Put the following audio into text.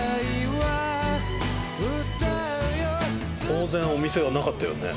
当然お店はなかったよね？